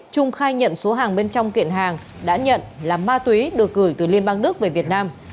trung khai nhận số hàng bên trong kiện hàng đã nhận là ma túy được gửi từ liên bang đức về việt nam